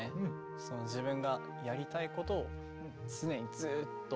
その自分がやりたいことを常にずっと。